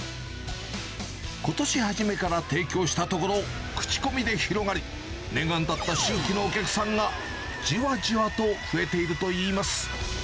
ことし初めから提供したところ、口コミで広がり、念願だった新規のお客さんが、じわじわと増えているといいます。